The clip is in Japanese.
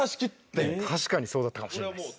確かにそうだったかもしれないです。